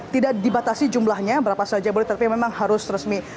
tidak dibatasi jumlahnya berapa saja boleh tapi memang harus resmi